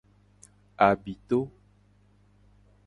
Abito.